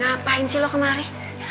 gapain sih lo kemari